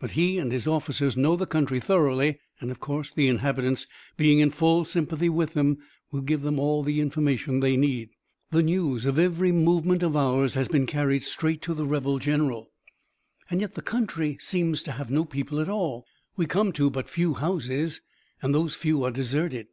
But he and his officers know the country thoroughly, and of course the inhabitants, being in full sympathy with them, will give them all the information they need. The news of every movement of ours has been carried straight to the rebel general." "And yet the country seems to have no people at all. We come to but few houses, and those few are deserted."